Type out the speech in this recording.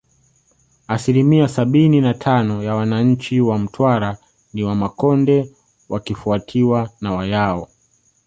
Asilimia sabini na tano ya wananchi wa Mtwara ni Wamakonde wakifuatiwa na Wayao